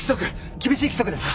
厳しい規則ですか？